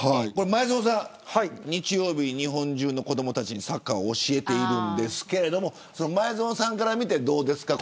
前園さん、日曜日に日本中の子どもたちにサッカーを教えているんですけれども前園さんから見てどうですか